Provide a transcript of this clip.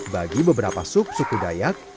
bagi beberapa suksuku dayak